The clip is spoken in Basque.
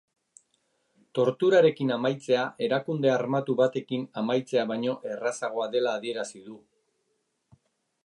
Torturarekin amaitzea erakunde armatu batekin amaitzea baino errazagoa dela adierazi du.